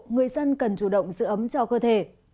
người dân cần chủ động giữ ấm cho cơ thể